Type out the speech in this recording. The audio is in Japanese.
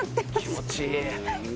気持ちいい。